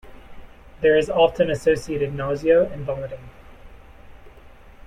There is often associated nausea and vomiting.